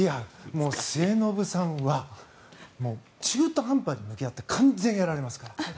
もう末延さんは中途半端に向き合うと完全にやられますから。